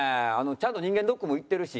ちゃんと人間ドックも行ってるし